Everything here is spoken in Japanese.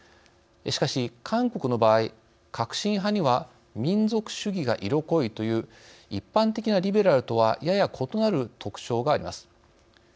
しかし、韓国の場合、革新派には民族主義が色濃いという一般的なリベラルとはやや異なる特徴があります。